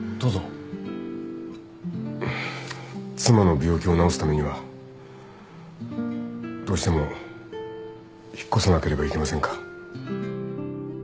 妻の病気を治すためにはどうしても引っ越さなければいけませんか？